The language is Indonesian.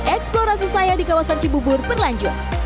eksplorasi saya di kawasan cibubur berlanjut